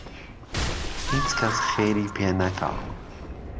هیچکهس خێری پێ نهکا